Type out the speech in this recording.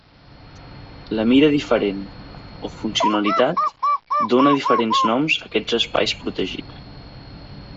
La mida diferent o funcionalitat dóna diferents noms a aquests espais protegits.